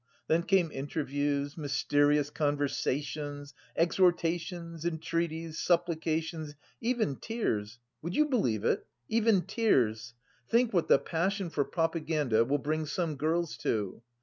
Then came interviews, mysterious conversations, exhortations, entreaties, supplications, even tears would you believe it, even tears? Think what the passion for propaganda will bring some girls to!